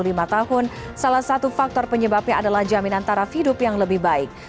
namun salah satu faktor penyebabnya adalah jaminan taraf hidup yang lebih baik